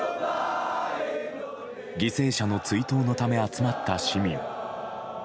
犠牲者の追悼のため集まった市民。